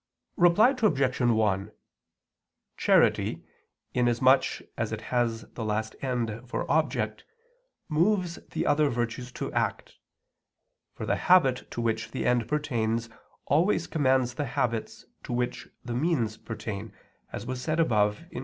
Reply Obj. 1: Charity, inasmuch as it has the last end for object, moves the other virtues to act. For the habit to which the end pertains always commands the habits to which the means pertain, as was said above (Q.